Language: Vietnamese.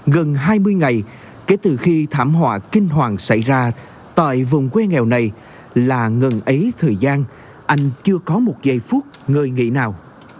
gần hai mươi ngày kể từ khi thảm họa kinh hoàng xảy ra tại vùng quê nghèo này là ngần ấy thời gian anh chưa có một giây phút ngơi nghỉ nào